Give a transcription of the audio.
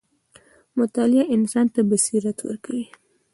• مطالعه انسان ته بصیرت ورکوي.